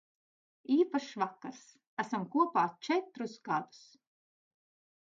Īpašs vakars. Esam kopā četrus gadus.